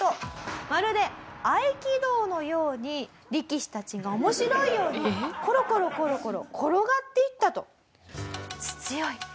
まるで合気道のように力士たちが面白いようにコロコロコロコロ転がっていったと。